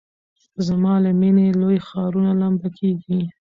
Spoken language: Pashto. زما له میني لوی ښارونه لمبه کیږي